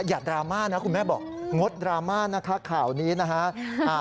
อย่าดราม่านะคุณแม่บอกงดดราม่านะคะข่าวนี้นะฮะ